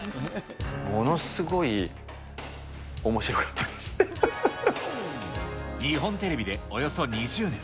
ものすごいおもしろかったで日本テレビでおよそ２０年。